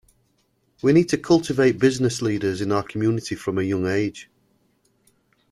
We need to cultivate business leaders in our community from a young age.